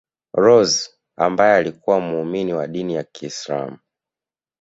Rose ambaye alikuwa muumini wa dini ya kiislamu